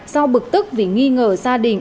do bực tức vì nghi ngờ gia đình